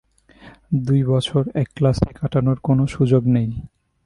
দুই বছর এক ক্লাসে কাটানোর কোন সুযোগ নেই।